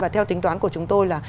và theo tính toán của chúng tôi là